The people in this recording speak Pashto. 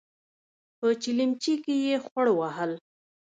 په چلمچي کې يې خوړ وهل.